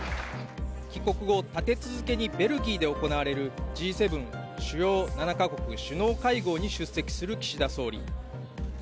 帰国後、立て続けにベルギーで行われるＧ７＝主要７か国首脳会合に出席する岸田総理。